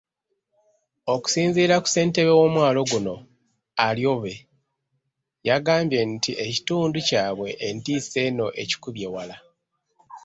Okusinziira ku ssentebe w'omwalo guno, Alyobe, yagambye nti ekitundu kyabwe entiisa eno ekikubye wala.